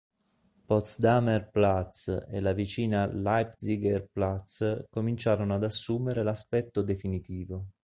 Potsdamer Platz e la vicina Leipziger Platz cominciarono ad assumere l'aspetto definitivo.